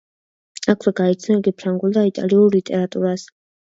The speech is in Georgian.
აქვე გაეცნო იგი ფრანგულ და იტალიურ ლიტერატურას.